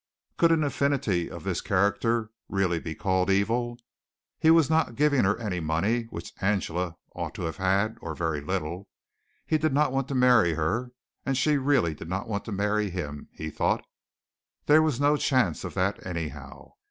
Could an affinity of this character really be called evil? He was not giving her any money which Angela ought to have, or very little. He did not want to marry her and she really did not want to marry him, he thought there was no chance of that, anyhow.